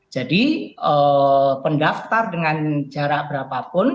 jadi pendaftar dengan jarak berapapun